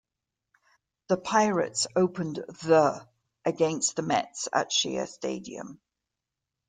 The Pirates opened the against the Mets at Shea Stadium.